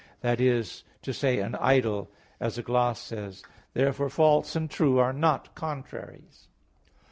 8:5), that is to say, "an idol," as a gloss says. Therefore false and true are not contraries.